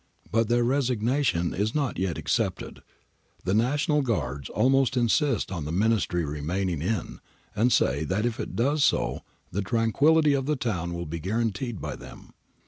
But their resignation is not yet accepted. The National Guards almost insist on the Ministry remaining in, and say that if it does so the tranquillity of the town will be guaranteed by them.